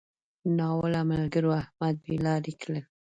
ناوړه ملګرو؛ احمد بې لارې کړ.